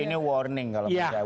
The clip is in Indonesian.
ini warning kalau misalnya